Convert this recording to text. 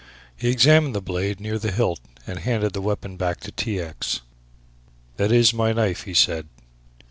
He examined the blade near the hilt and handed the weapon back to T. X. "That is my knife," he said.